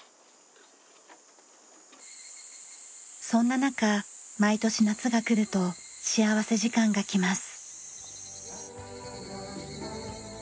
そんな中毎年夏がくると幸福時間がきます。